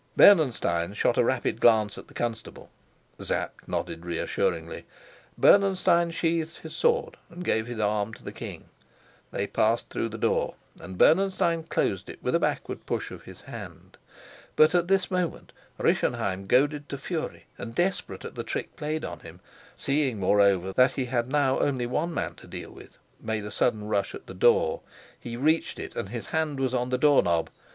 Bernenstein shot a rapid glance at the constable. Sapt nodded reassuringly. Bernenstein sheathed his sword and gave his arm to the king. They passed through the door, and Bernenstein closed it with a backward push of his hand. But at this moment Rischenheim, goaded to fury and desperate at the trick played on him seeing, moreover, that he had now only one man to deal with made a sudden rush at the door. He reached it, and his hand was on the door knob.